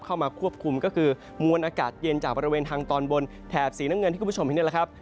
เข้ามาควบคุมก็คือมวลอากาศเย็นจากบริเวณทางตอนบนแถบสีน้ำเงินที่คุณผู้ชมเห็นนี่แหละครับ